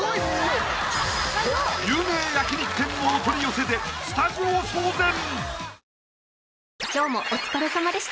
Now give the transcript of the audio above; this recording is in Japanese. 有名焼肉店のお取り寄せでスタジオ騒然！